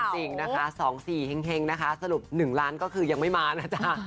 จริงนะคะ๒๔แห่งนะคะสรุป๑ล้านก็คือยังไม่มานะจ๊ะ